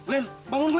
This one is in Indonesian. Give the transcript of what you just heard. len bangun len